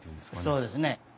そうですね。